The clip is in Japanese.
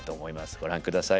ご覧ください。